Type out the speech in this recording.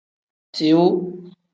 Tiu.